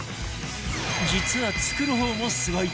実は作る方もすごい！